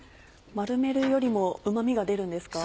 丸めるよりもうま味が出るんですか？